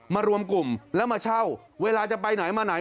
รวมกลุ่มแล้วมาเช่าเวลาจะไปไหนมาไหน